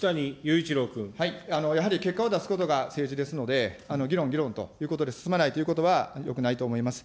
やはり結果を出すことが政治ですので、議論、議論ということで進まないということはよくないと思います。